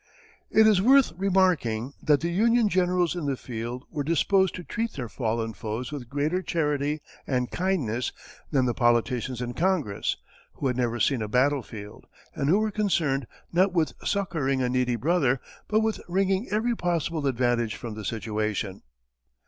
It is worth remarking that the Union generals in the field were disposed to treat their fallen foes with greater charity and kindness than the politicians in Congress, who had never seen a battlefield, and who were concerned, not with succoring a needy brother, but with wringing every possible advantage from the situation.